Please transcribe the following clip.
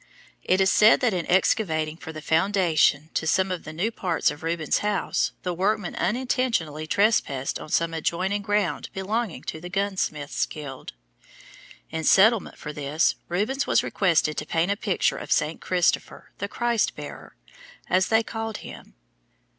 It is said that in excavating for the foundation to some of the new parts of Rubens' house, the workmen unintentionally trespassed on some adjoining ground belonging to the gunsmiths' guild. In settlement for this Rubens was requested to paint a picture of St. Christopher, the Christ Bearer, as they called him.